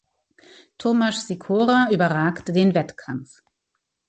Tomasz Sikora überragte den Wettkampf.